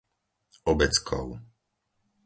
Obeckov